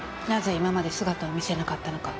今まで姿を見せなかったのか。